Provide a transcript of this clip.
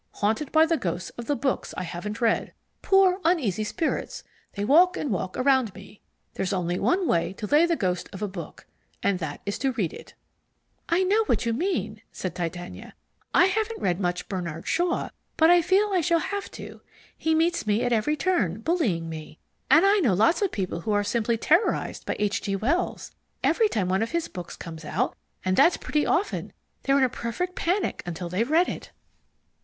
Haunted by the ghosts of the books I haven't read. Poor uneasy spirits, they walk and walk around me. There's only one way to lay the ghost of a book, and that is to read it." "I know what you mean," said Titania. "I haven't read much Bernard Shaw, but I feel I shall have to. He meets me at every turn, bullying me. And I know lots of people who are simply terrorized by H. G. Wells. Every time one of his books comes out, and that's pretty often, they're in a perfect panic until they've read it."